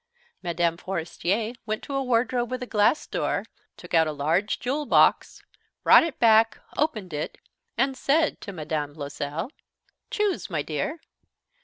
Mme. Forestier went to a wardrobe with a glass door, took out a large jewel box, brought it back, opened it, and said to Mme. Loisel: "Choose, my dear."